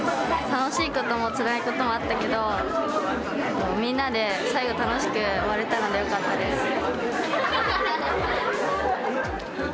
楽しいこともつらいこともあったけど、みんなで最後楽しく終われたのでよかったです。